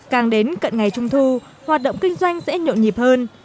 càng đến cận ngày trung thu hoạt động kinh doanh sẽ nhộn nhịp hơn